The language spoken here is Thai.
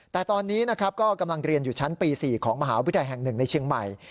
แต่ตอนนี้นะครับก็กำลังเรียนอยู่ชั้นปี๔ของมหาวิทยาลัยแห่ง๑ในเชียงใหม่